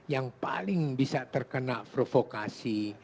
yang paling bisa terkena provokasi